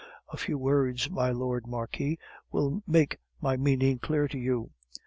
A few words, my Lord Marquis, will make my meaning clear to you.